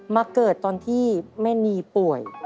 มาเกิดตอนที่แม่นีป่วย